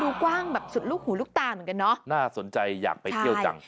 กว้างแบบสุดลูกหูลูกตาเหมือนกันเนอะน่าสนใจอยากไปเที่ยวจัง